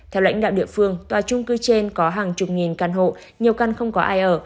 theo lãnh đạo địa phương tòa trung cư trên có hàng chục nghìn căn hộ nhiều căn không có ai ở